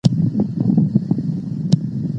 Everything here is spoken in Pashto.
نو راځئ ژمنه وکړو.